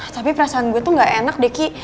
tapi perasaan gue tuh gak enak deh ki